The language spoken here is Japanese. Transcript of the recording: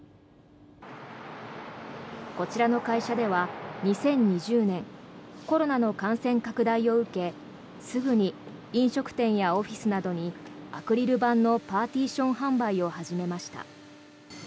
こちらの会社では２０２０年コロナの感染拡大を受けすぐに飲食店やオフィスなどにアクリル板のパーティション販売を始めました。